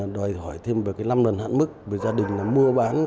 đòi hỏi thêm về năm lần hạn mức vì gia đình mua bán